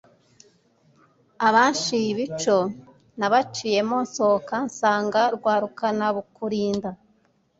Abanshiye ibico nabaciyemo nsohoka nsanga rwadukanakurinda